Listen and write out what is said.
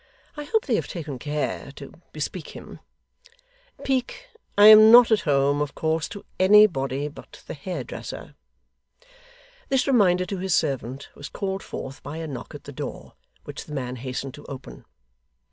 I hope they have taken care to bespeak him. Peak, I am not at home, of course, to anybody but the hairdresser.' This reminder to his servant was called forth by a knock at the door, which the man hastened to open.